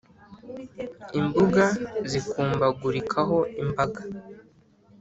Imbuga zikumbagurikaho imbaga